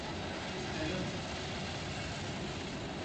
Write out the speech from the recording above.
Karın…